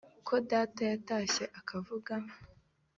ko data yatashye akavuga